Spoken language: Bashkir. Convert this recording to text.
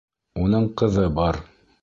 Уның ҡыҙы бар.